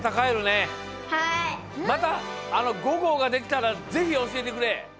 また５ごうができたらぜひおしえてくれ！